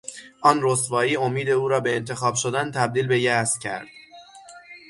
آن رسوایی امید او را به انتخاب شدن تبدیل به یاس کرد.